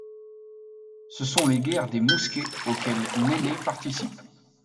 Ce sont les guerres des mousquets, auxquelles Nene participe.